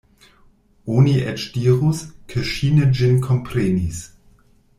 Oni eĉ dirus, ke ŝi ne ĝin komprenis.